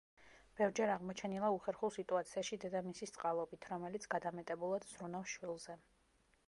ბევრჯერ აღმოჩენილა უხერხულ სიტუაციაში დედამისის წყალობით, რომელიც გადამეტებულად ზრუნავს შვილზე.